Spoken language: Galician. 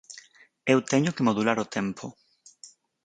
Eu teño que modular o tempo.